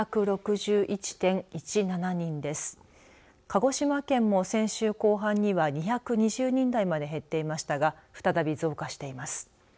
鹿児島県も先週後半には２２０人台まで減っていましたが再び増加しています。